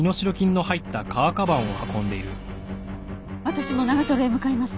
私も長へ向かいます。